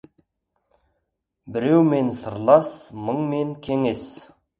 Біреумен сырлас, мыңмен кеңес.